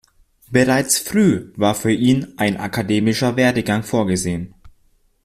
Bereits früh war für ihn ein akademischer Werdegang vorgesehen.